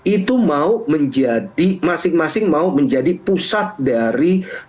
itu mau menjadi masing masing mau menjadi pusat dari